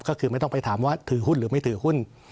ก็คือไม่ต้องไปถามว่าถือหุ้นหรือไม่ถือหุ้น